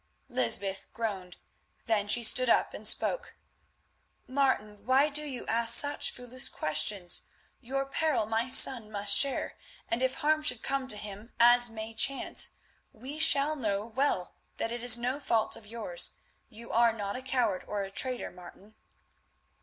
Lysbeth groaned. Then she stood up and spoke. "Martin, why do you ask such foolish questions? Your peril my son must share, and if harm should come to him as may chance, we shall know well that it is no fault of yours. You are not a coward or a traitor, Martin."